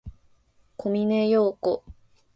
小峰洋子